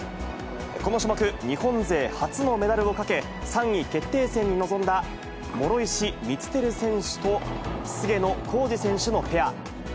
この種目、日本勢初のメダルをかけ、３位決定戦に臨んだ諸石光照選手と菅野浩二選手のペア。